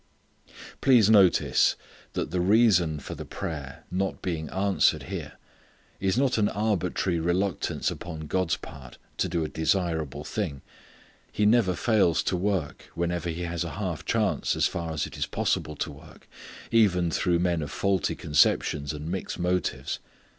Please notice that the reason for the prayer not being answered here is not an arbitrary reluctance upon God's part to do a desirable thing. He never fails to work whenever He has a half chance as far as it is possible to work, even through men of faulty conceptions and mixed motives.